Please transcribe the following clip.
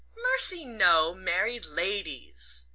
"Mercy, no! Married ladies."